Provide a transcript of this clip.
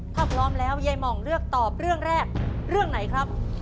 ถ้าพร้อมแล้วยายหม่องเลือกตอบเรื่องแรกเรื่องไหนครับ